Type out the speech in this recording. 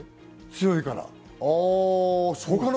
強いから。